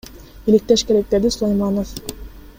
Иликтеш керек, — деди Сулайманов.